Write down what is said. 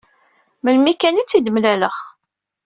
Melmi kan i tt-id-mlaleɣ.